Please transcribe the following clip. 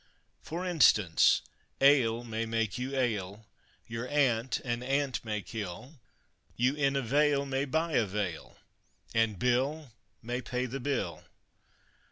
For instance, ale may make you ail, your aunt an ant may kill, You in a vale may buy a veil and Bill may pay the bill.